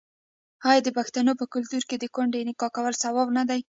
آیا د پښتنو په کلتور کې د کونډې نکاح کول ثواب نه دی؟